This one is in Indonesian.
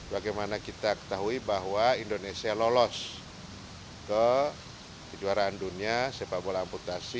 bagaimana kita ketahui bahwa indonesia lolos ke kejuaraan dunia sepak bola amputasi